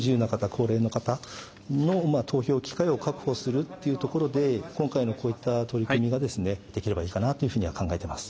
高齢の方の投票機会を確保するというところで今回のこういった取り組みができればいいかなというふうには考えています。